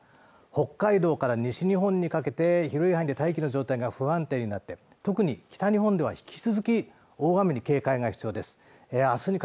北海道から西日本にかけて広い範囲で大気の状態が不安定になって特に北日本では引き続き大雨に警戒が必要ですね